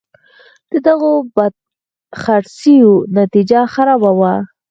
د دغو بدخرڅیو نتیجه خرابه وه.